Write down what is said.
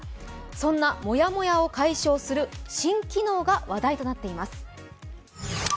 そんなモヤモヤを解消する新機能が話題となっています。